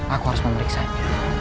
aku harus memeriksanya